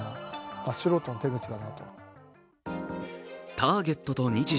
ターゲットと日時